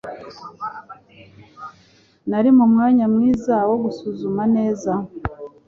Nari mumwanya mwiza wo gusuzuma neza